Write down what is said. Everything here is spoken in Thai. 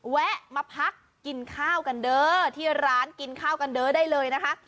แวะมาพักกินข้าวกันเด้อที่ร้านกินข้าวกันเด้อได้เลยนะคะ